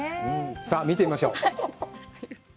さあ、見てみましょう。